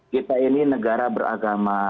kita ini negara beragama